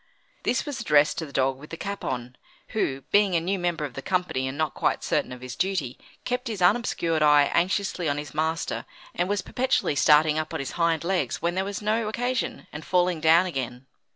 This was addressed to the dog with the cap on, who, being a new member of the company, and not quite certain of his duty, kept his unobscured eye anxiously on his master, and was perpetually starting up on his hind legs when there was no occasion, and falling down again.